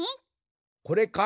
これか？